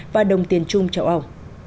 và đồng tiền chung châu âu